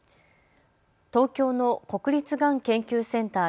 東京の国立がん研究センター